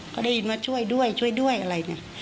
ก็ได้ยินมาช่วยด้วยช่วยด้วยอะไรเนี่ย